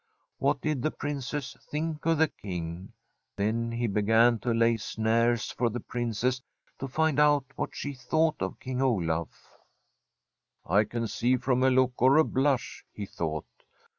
What did the Princess think of the King? Then he began to lar snares for the Princess to find out what she thought of King Olaf. * I can see from a look or a blush/ he thought.